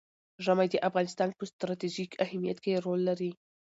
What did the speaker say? ژمی د افغانستان په ستراتیژیک اهمیت کې رول لري.